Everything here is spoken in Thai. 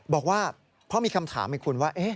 บอกว่าเพราะมีคำถามให้คุณว่า